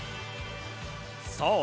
そう。